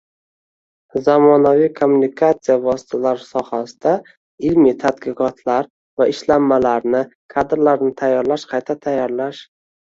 zamonaviy kommunikatsiya vositalari sohasida ilmiy tadqiqotlar va ishlanmalarni, kadrlarni tayyorlash, qayta tayyorlash